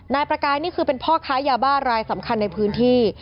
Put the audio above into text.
นายประกายนี่คือเป็นพ่อค้ายาบ้ารายสำคัญในพื้นที่